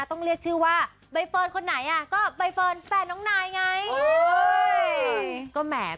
ต้องเรียกชื่อว่าใบเฟิร์นคนไหนอ่ะก็ใบเฟิร์นแฟนน้องนายไง